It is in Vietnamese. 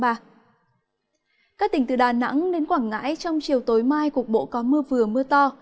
các tỉnh từ đà nẵng đến quảng ngãi trong chiều tối mai cục bộ có mưa vừa mưa to